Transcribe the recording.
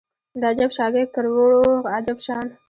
د اجب شاګۍ کروړو عجب شان